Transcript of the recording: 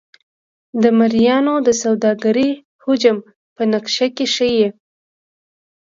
د مریانو د سوداګرۍ حجم په نقشه کې ښيي.